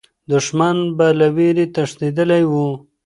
دښمن به له ویرې تښتېدلی وو.